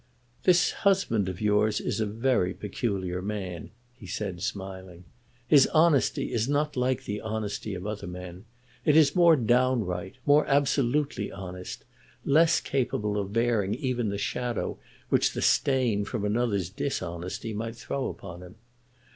"This husband of yours is a very peculiar man," he said, smiling. "His honesty is not like the honesty of other men. It is more downright; more absolutely honest; less capable of bearing even the shadow which the stain from another's dishonesty might throw upon it.